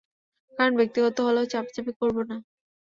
কারণটা ব্যক্তিগত হলে চাপাচাপি করবো না।